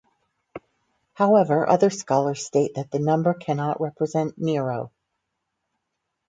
However, other scholars state that the number cannot represent Nero.